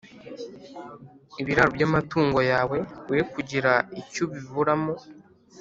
ibiraro by’amatungo yawe, We kugira icyo ubiburamo.